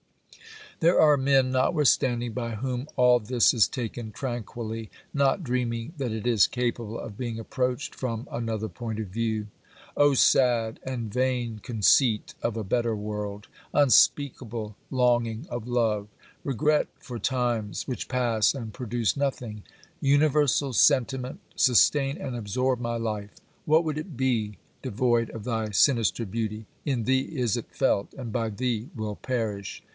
There are men, notwithstanding, by whom all this is taken tranquilly, not dreaming that it is capable of being approached from another point of view. O sad and vain conceit of a better world ! Unspeakable longing of love ! Regret for times which pass and pro duce nothing ! Universal sentiment, sustain and absorb my life ! What would it be, devoid of thy sinister beauty ? In thee is it felt, and by thee will perish.